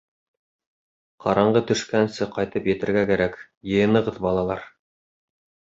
— Ҡараңғы төшкәнсе ҡайтып етергә кәрәк, йыйынығыҙ, балалар!